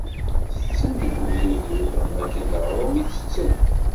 Tetten deg ugdud-iw am wakken d aɣrum i ttetten.